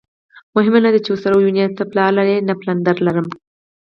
مهمه نه ده چې ورسره ووینې، ته پلار لرې؟ نه، پلندر لرم.